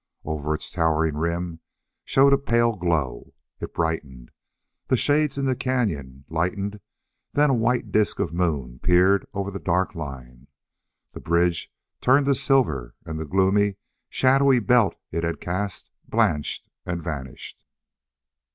Over its towering rim showed a pale glow. It brightened. The shades in the cañon lightened, then a white disk of moon peered over the dark line. The bridge turned to silver, and the gloomy, shadowy belt it had cast blanched and vanished.